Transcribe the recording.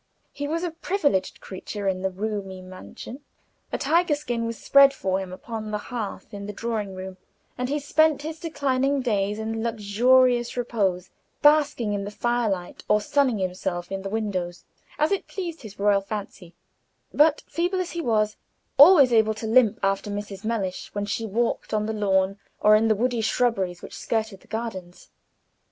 He was a privileged creature in the roomy mansion; a tiger skin was spread for him upon the hearth in the drawing room, and he spent his declining days in luxurious repose, basking in the firelight or sunning himself in the windows, as it pleased his royal fancy; but, feeble as he was, always able to limp after Mrs. Mellish when she walked on the lawn or in the woody shrubberies which skirted the gardens.